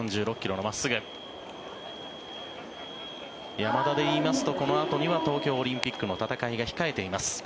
山田でいいますとこのあとには東京オリンピックの戦いが控えています。